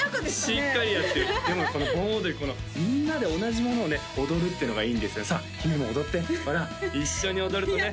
しっかりやってるでもこの盆踊りみんなで同じものをね踊るっていうのがいいんですよさあ姫も踊ってほら一緒に踊るとね